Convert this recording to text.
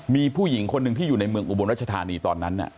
มีผู้หญิงคนหนึ่งที่อยู่ในเมืองอุบลรัชธานีตอนนั้น